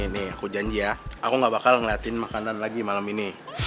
nih aku janji ya aku ga bakal ngeliatin makanan lagi malem ini